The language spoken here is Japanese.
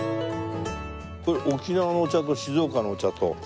これ沖縄のお茶と静岡のお茶と。